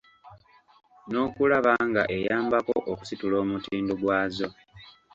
N’okulaba nga eyambako okusitula omutindo gwazo.